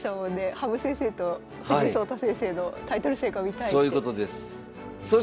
羽生先生と藤井聡太先生のタイトル戦が見たいって。